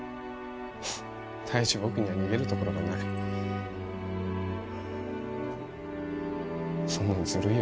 第一僕には逃げる所がないそんなのずるいよ